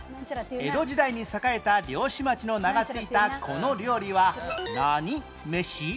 江戸時代に栄えた漁師町の名が付いたこの料理は何めし？